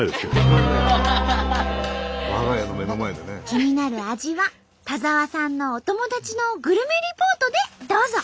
気になる味は田澤さんのお友達のグルメリポートでどうぞ！